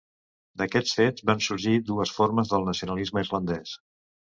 D'aquests fets van sorgir dues formes del nacionalisme irlandès.